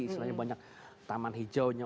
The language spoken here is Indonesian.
istilahnya banyak taman hijaunya